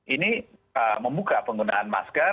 ini membuka penggunaan masker